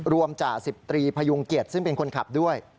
รวมจากสิบตรีพยุงเกียจซึ่งเป็นคนขับด้วย